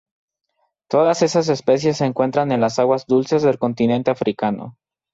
Todas esas especies se encuentran en las aguas dulces del continente africano.